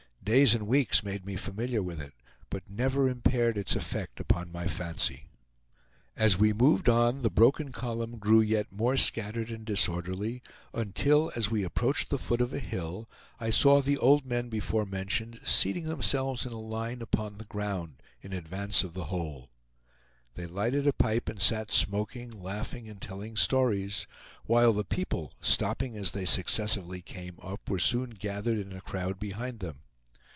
Days and weeks made me familiar with it, but never impaired its effect upon my fancy. As we moved on the broken column grew yet more scattered and disorderly, until, as we approached the foot of a hill, I saw the old men before mentioned seating themselves in a line upon the ground, in advance of the whole. They lighted a pipe and sat smoking, laughing, and telling stories, while the people, stopping as they successively came up, were soon gathered in a crowd behind them.